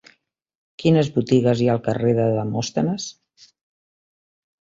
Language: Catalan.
Quines botigues hi ha al carrer de Demòstenes?